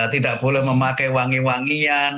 tidak boleh memakai wangi wangian